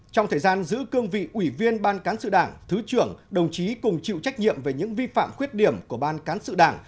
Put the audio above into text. trong thời gian giữ cương vị ủy viên ban cán sự đảng thứ trưởng đồng chí cùng chịu trách nhiệm về những vi phạm khuyết điểm của ban cán sự đảng